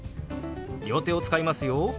両手を使いますよ。